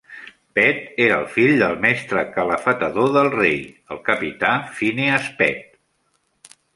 Pett era el fill del mestre calafatador del rei el capità Phineas Pett.